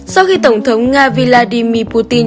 sau khi tổng thống nga vladimir putin